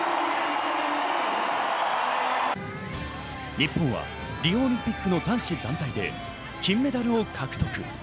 日本はリオオリンピックの男子団体で金メダルを獲得。